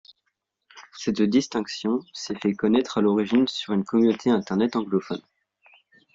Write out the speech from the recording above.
Cette distinction s'est fait connaître à l'origine sur une communauté Internet anglophone.